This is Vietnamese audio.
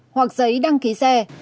hoặc giấy đăng ký xe